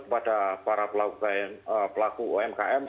kepada para pelaku umkm